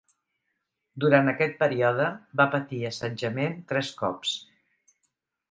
Durant aquest període va patir assetjament tres cops.